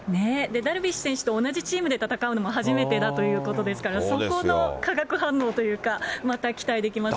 ダルビッシュ選手と同じチームで戦うのも初めてだということですから、そこの化学反応というか、また期待できますよね。